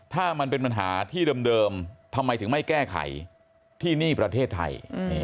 ถ้ามันเป็นปัญหาที่เดิมทำไมถึงไม่แก้ไขที่นี่ประเทศไทย